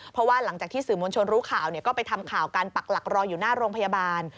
เพราะว่าหลังจากที่สื่อมวลชนรู้ข่าวก็ไปทำข่าวการปักหลักรออยู่หน้าโรงพยาบาล